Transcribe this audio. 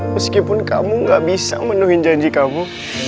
meskipun kamu gak bisa menuhi janji kamu